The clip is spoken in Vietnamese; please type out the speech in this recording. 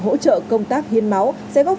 hỗ trợ công tác hiên máu sẽ góp